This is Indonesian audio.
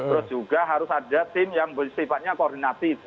terus juga harus ada tim yang bersifatnya koordinatif